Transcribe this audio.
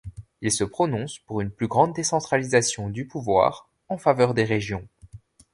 Il se prononce pour une plus grande décentralisation du pouvoir, en faveur des régions.